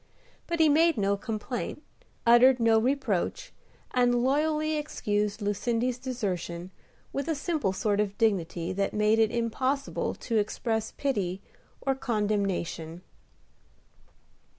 But he made no complaint, uttered no reproach, and loyally excused Lucindy's desertion with a simple sort of dignity that made it impossible to express pity or condemnation.